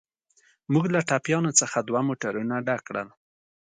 موږ له ټپیانو څخه دوه موټرونه ډک کړل.